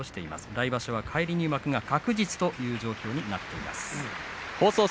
来場所、返り入幕が確実な状況になっています。